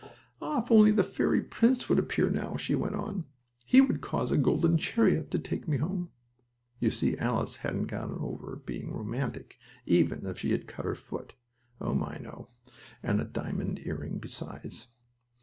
"Ah, if only the fairy prince would appear now," she went on. "He would cause a golden chariot to take me home!" You see, Alice hadn't gotten over being romantic, even if she had cut her foot. Oh, my, no, and a diamond earring besides!